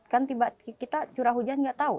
kan tiba tiba kita curah hujan nggak tahu